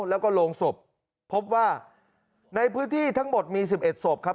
แล้วก็โรงศพพบว่าในพื้นที่ทั้งหมดมี๑๑ศพครับ